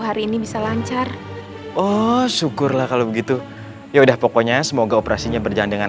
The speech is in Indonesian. hari ini bisa lancar oh syukurlah kalau begitu ya udah pokoknya semoga operasinya berjalan dengan